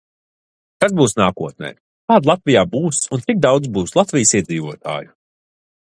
Kas būs nākotnē, kādi Latvijā būs un cik daudz būs Latvijas iedzīvotāju?